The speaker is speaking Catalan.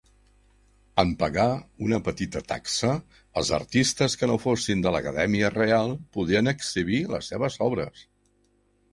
En pagar una petita taxa, els artistes que no fossin de l'Acadèmia Real podien exhibir les seves obres.